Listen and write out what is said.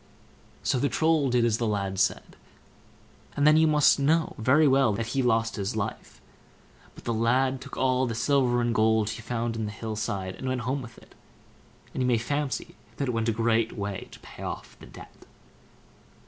So the Troll did as the lad said, and then you must know very well that he lost his life; but the lad took all the silver and gold that he found in the hill side, and went home with it, and you may fancy it went a great way to pay off the debt.